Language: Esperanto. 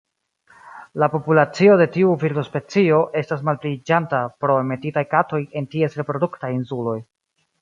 La populacio de tiu birdospecio estas malpliiĝanta pro enmetitaj katoj en ties reproduktaj insuloj.